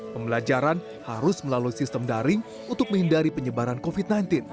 pembelajaran harus melalui sistem daring untuk menghindari penyebaran covid sembilan belas